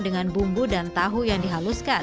belanja sudah pulang delapan juta dolar